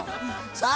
さあ